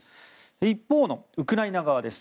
一方のウクライナ側です。